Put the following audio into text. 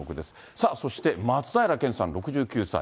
さあそして、松平健さん６９歳。